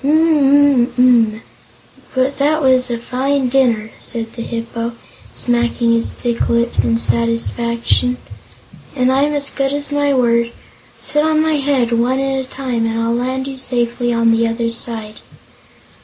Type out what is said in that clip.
"M m m mum, but that was a fine dinner!" said the Hip po, smacking his thick lips in satisfaction, "and I'm as good as my word. Sit on my head, one at a time, and I'll land you safely on the other side."